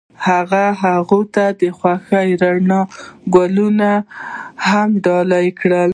هغه هغې ته د خوښ رڼا ګلان ډالۍ هم کړل.